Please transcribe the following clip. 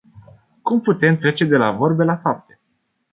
Cum putem trece de la vorbe la fapte?